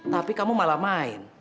tapi kamu malah main